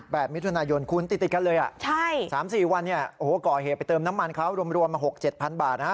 แบบมิถุนายนคุณติดกันเลยใช่๓๔วันเนี่ยก่อเหตุไปเติมน้ำมันเขารวมรวมมา๖๗พันบาทนะ